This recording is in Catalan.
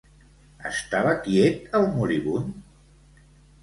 Estava quiet el moribund?